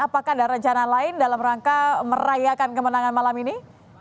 apakah ada rencana lain dalam rangka merayakan kemenangan malam ini